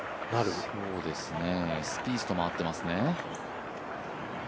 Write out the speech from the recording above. そうですね、スピースと回ってますね。